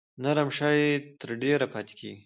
نرم شی تر ډیره پاتې کیږي.